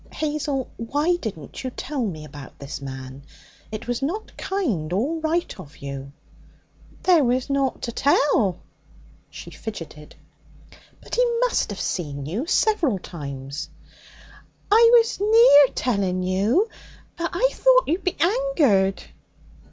'Hazel, why didn't you tell me about this man? It was not kind or right of you.' 'There was nought to tell.' She fidgeted. 'But he must have seen you several times.' 'I was near telling you, but I thought you'd be angered.'